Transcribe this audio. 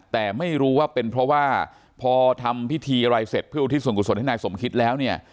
แต่ไม่รู้ว่าเป็นเพราะว่าพอทำพิธีอะไรเสร็จเพื่ออุทิศส่วนกุศลให้นายสมคิดแล้วเนี่ย